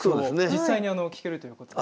実際に聴けるということで。